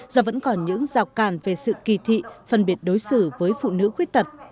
do vẫn còn những rào càn về sự kỳ thị phân biệt đối xử với phụ nữ khuyết tật